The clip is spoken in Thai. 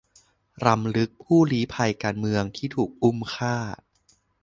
รำลึกผู้ลี้ภัยการเมืองที่ถูกอุ้มฆ่า